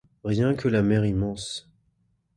Rien que la mer immense.